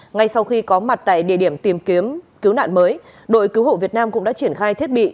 ngay sau khi có mặt tại địa điểm tìm kiếm cứu nạn mới đội cứu hộ việt nam cũng đã triển khai thiết bị